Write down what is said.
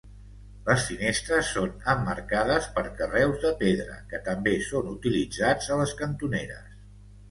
Les finestres són emmarcades per carreus de pedra, que també són utilitzats a les cantoneres.